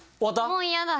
もう嫌だ。